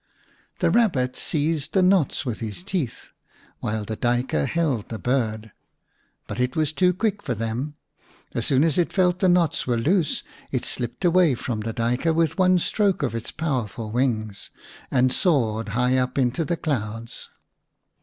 The Rabbit seized the knots with his teeth, while the Duyker held the bird ; but it was too quick for them. As soon as it felt the knots were loose it slipped away from the Duyker with one stroke of its powerful wings, and soared high up into the clouds.